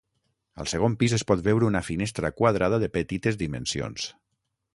Al segon pis es pot veure una finestra quadrada de petites dimensions.